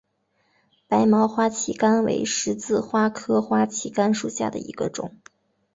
白毛花旗杆为十字花科花旗杆属下的一个种。